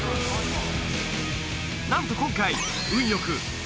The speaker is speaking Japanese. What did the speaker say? なんと今回運